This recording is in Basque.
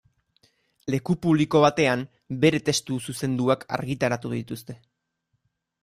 Leku publiko batean bere testu zuzenduak argitaratu dituzte.